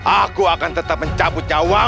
aku akan tetap mencaput jawabannya